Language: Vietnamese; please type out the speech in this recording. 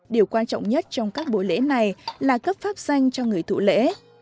điều quan trọng nhất trong các buổi lễ này là cấp pháp danh cho người thụ lễ